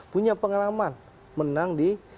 punya pengalaman menang di